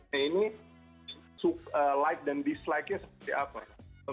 nah ini like dan dislike nya seperti apa